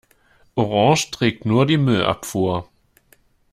Orange trägt nur die Müllabfuhr.